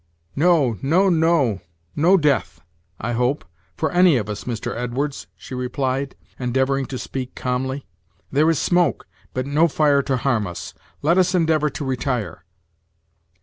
"No, no, no no death, I hope, for any of us, Mr. Edwards," she replied, endeavoring to speak calmly; there is smoke, but no fire to harm us. "Let us endeavor to retire."